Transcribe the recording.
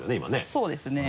そうですね。